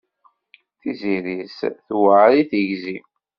Tiẓri-s tewɛer i tigzi.